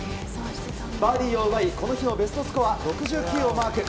バーディーを奪いこの日のベストスコア６９をマーク。